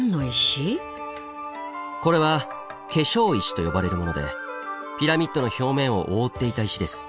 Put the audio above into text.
これは化粧石と呼ばれるものでピラミッドの表面を覆っていた石です。